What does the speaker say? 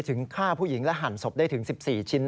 ถึงฆ่าผู้หญิงและหั่นศพได้ถึง๑๔ชิ้น